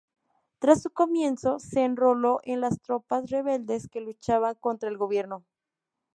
Tras su comienzo, se enroló en las tropas rebeldes que luchaban contra el Gobierno.